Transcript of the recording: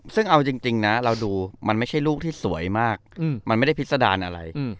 ซึ่งเอาจริงนะเราดูมันไม่ใช่ลูกที่สวยมากมันไม่ได้พิษดารอะไร